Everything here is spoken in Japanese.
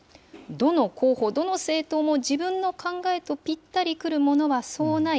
どの候補、どの政党も自分の考えとぴったりくるものはそうない。